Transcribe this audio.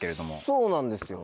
そうなんですよ。